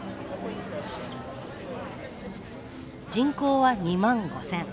人口は２万５，０００。